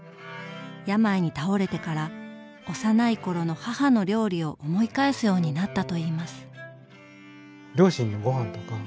病に倒れてから幼い頃の母の料理を思い返すようになったといいます。